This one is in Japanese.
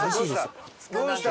どうした？